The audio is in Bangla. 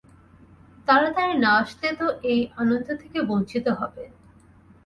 তাড়াতাড়ি না আসলে তো এই আনন্দ থেকে বঞ্চিত হবে।